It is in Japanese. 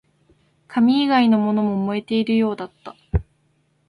紙以外のものも燃えているようだった